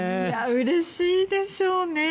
うれしいでしょうね。